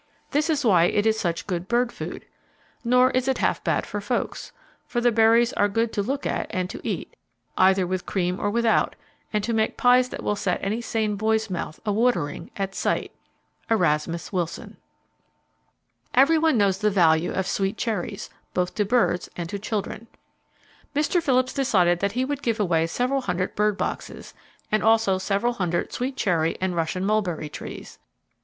This is why it is such good bird food. Nor is it half bad for folks, for the berries are good to look at and to eat, either with cream or without, and to make pies that will set any sane boy's mouth a watering at sight."—(Erasmus Wilson). [Page 380] Everyone knows the value of sweet cherries, both to birds and to children. Mr. Phillips decided that he would give away several hundred bird boxes, and also several hundred sweet cherry and Russian mulberry trees.